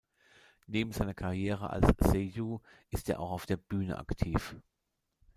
Neben seiner Karriere als Seiyū ist er auch auf der Bühne aktiv.